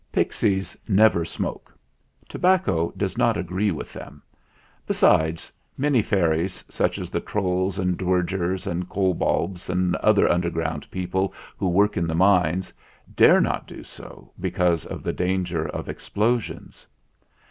Pixies never smoke. Tobacco does not agree with them ; besides, many fairies, such as the trolls and dwergers and kobolds and other underground people who work in the mines, dare not do so, because of the danger of ex plosions.